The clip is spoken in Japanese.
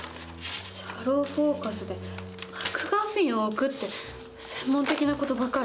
「シャローフォーカスでマクガフィンを置く」って専門的な事ばかり。